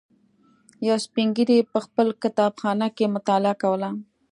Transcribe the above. یوه سپین ږیري په خپل کتابخانه کې مطالعه کوله.